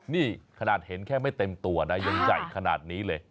นี่ขนาดเห็นแค่ไม่เต็มตัวนะยังใหญ่ขนาดนี้เลย